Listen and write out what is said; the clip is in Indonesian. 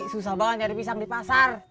susah banget nyari pisang di pasar